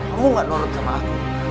kamu gak nurut sama aku